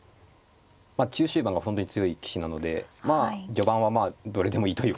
中終盤が本当に強い棋士なので序盤はまあどれでもいいというか。